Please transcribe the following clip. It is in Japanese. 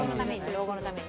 老後のために。